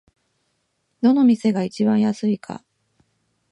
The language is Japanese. どの店が一番安いか